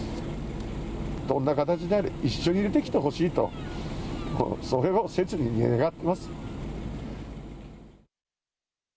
どんな形であれ、一緒に出てきてほしいと、それを切に願ってます。